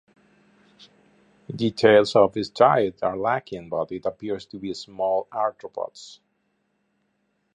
Details of its diet are lacking but it appears to be small arthropods.